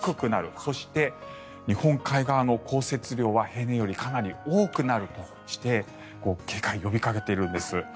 そして日本海側の降雪量は平年よりかなり多くなるとして警戒を呼びかけているんです。